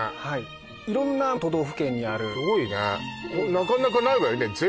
はい色んな都道府県にあるすごいねなかなかないわよね